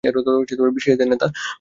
এর অর্থ হচ্ছে "বিশ্বাসীদের নেতা"।